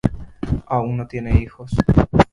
Aún no tiene hijos.